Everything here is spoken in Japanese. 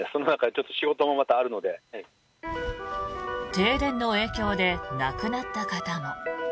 停電の影響で亡くなった方も。